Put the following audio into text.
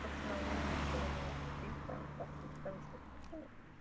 Por otro lado, una joven artista plástica desocupada.